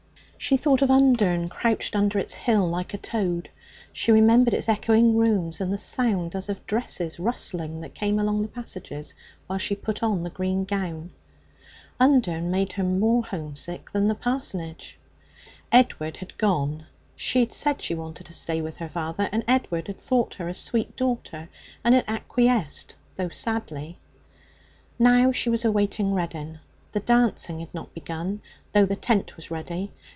She thought of Undern crouched under its hill like a toad. She remembered its echoing rooms and the sound as of dresses rustling that came along the passages while she put on the green gown. Undern made her more homesick than the parsonage. Edward had gone. She had said she wanted to stay with her father, and Edward had thought her a sweet daughter and had acquiesced, though sadly. Now she was awaiting Reddin. The dancing had not begun, though the tent was ready.